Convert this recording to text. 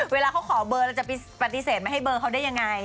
เวลาเขาขอเบอร์เราจะปฏิเสธไม่ให้เบอร์เขาได้ยังไง